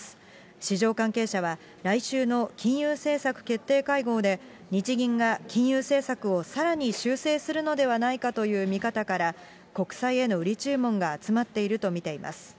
市場関係者は、来週の金融政策決定会合で、日銀が金融政策をさらに修正するのではないかという見方から、国債への売り注文が集まっていると見ています。